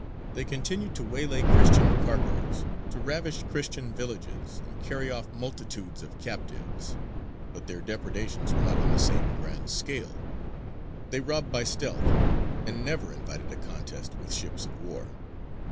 They continued to waylay Christian cargoes, to ravish Christian villages, and carry off multitudes of captives; but their depredations were not on the same grand scale, they robbed by stealth, and never invited a contest with ships of war.